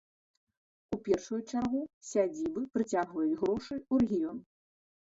У першую чаргу, сядзібы прыцягваюць грошы ў рэгіён.